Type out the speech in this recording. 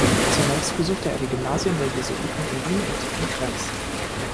Zunächst besuchte er die Gymnasien der Jesuiten in Wien und in Krems.